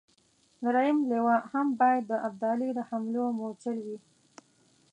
درېمه لواء هم باید د ابدالي د حملو مورچل وي.